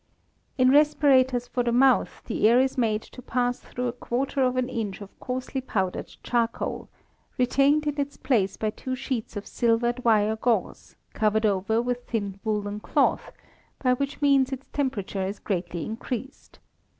In respirators for the mouth the air is made to pass through a quarter of an inch of coarsely powdered charcoal, retained in its place by two sheets of silvered wire gauze, covered over with thin woollen cloth, by which means its temperature is greatly increased.